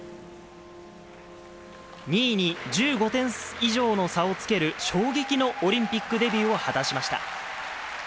２位に１５点以上の差をつける衝撃のオリンピックデビューを果たしました。